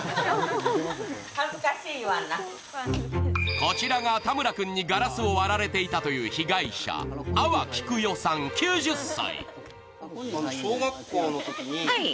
こちらが田村君にガラスを割られていたという被害者、阿波喜久代さん９０歳。